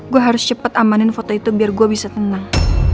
gue harus cepat amanin foto itu biar gue bisa tenang